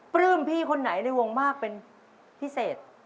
ปลื้มพี่คนไหนในวงมากเป็นพิเศษ